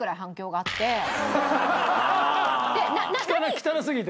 汚すぎて？